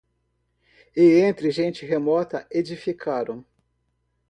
E entre gente remota edificaram